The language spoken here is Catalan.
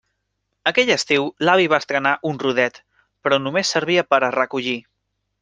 Aquell estiu l'avi va estrenar un rodet, però només servia per a recollir.